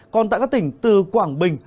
còn tại các tỉnh từ quảng bình